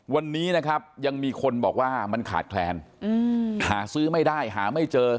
วันนี้นะครับยังมีคนบอกว่ามันขาดแคลนหาซื้อไม่ได้หาไม่เจอ